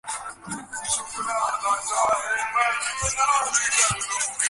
তিনি "আগা" নামে মঙ্গোল সাম্রাজ্যের সবচেয়ে সম্মানিত শাহজাদা হয়ে উঠেন।